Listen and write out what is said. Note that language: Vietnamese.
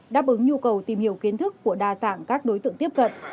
đáp ứng nhu cầu tìm hiểu kiến thức của đa dạng các đối tượng tiếp cận